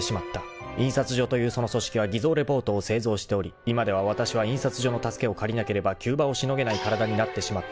［印刷所というその組織は偽造リポートを製造しており今ではわたしは印刷所の助けを借りなければ急場をしのげない体になってしまっていた］